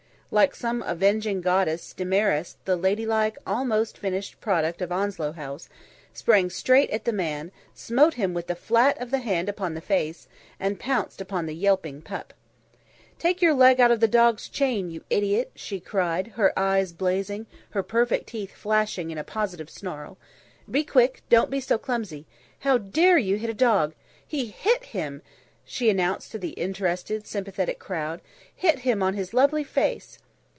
Like some avenging goddess, Damaris, the ladylike, almost finished product of Onslow House, sprang straight at the man, smote him with the flat of the hand upon the face, and pounced upon the yelping pup. "Take your leg out of the dog's chain, you idiot!" she cried, her eyes blazing, her perfect teeth flashing in a positive snarl. "Be quick; don't be so clumsy. How dare you hit a dog. He hit him," she announced to the interested, sympathetic crowd. "Hit him on his lovely face.